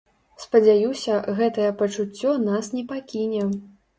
Спадзяюся, гэтае пачуццё нас не пакіне.